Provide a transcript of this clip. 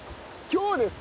今日ですか？